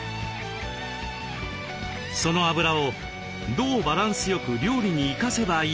そのあぶらをどうバランスよく料理に生かせばいいのか。